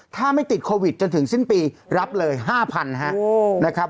ถ้าไม่ติดโควิดจนถึงสิ้นปีรับเลย๕๐๐๐ครับนะครับ